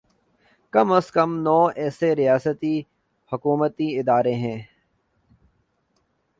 کم از کم نوے ایسے ریاستی و حکومتی ادارے ہیں